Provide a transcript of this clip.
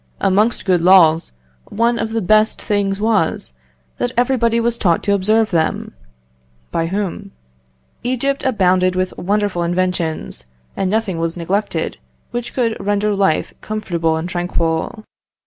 Amongst good laws, one of the best things was, that everybody was taught to observe them (by whom?). Egypt abounded with wonderful inventions, and nothing was neglected which could render life comfortable and tranquil."